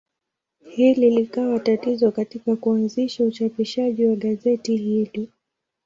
Hili likawa tatizo katika kuanzisha uchapishaji wa gazeti hili.